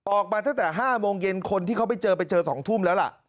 ออกมาตั้งแต่๕โมงเย็นคนที่เขาไปเจอไปเจอ๒ทุ่มแล้วล่ะ